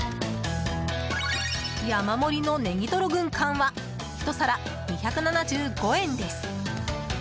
山盛りのネギトロ軍艦は１皿２７５円です。